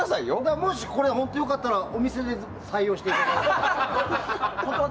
もしこれが本当に良かったらお店で採用していただいて。